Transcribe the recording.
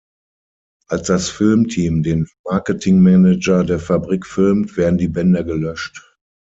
Als das Filmteam den Marketingmanager der Fabrik filmt, werden die Bänder gelöscht.